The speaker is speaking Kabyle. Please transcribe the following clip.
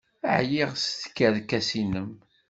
Ɛyiɣ seg tkerkas-nnem!